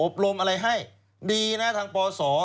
รมอะไรให้ดีนะทางปศ